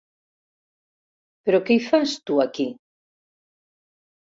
Però què hi fas, tu, aquí?